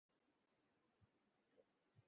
এই ভবনটির নির্মাণ করছে আইডিয়াল গোষ্ঠী।